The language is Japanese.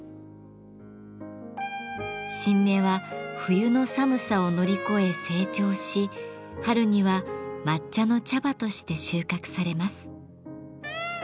新芽は冬の寒さを乗り越え成長し春には抹茶の茶葉として収穫されます。